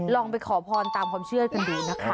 ลองไปขอพรตามความเชื่อกันดูนะคะ